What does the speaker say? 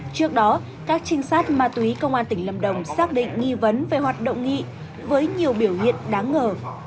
trước đó các trinh sát ma túy công an tỉnh lâm đồng xác định nghi vấn về hoạt động nghị với nhiều biểu hiện đáng ngờ